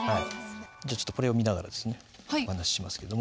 じゃちょっとこれを見ながらですねお話ししますけどもこの文の場合は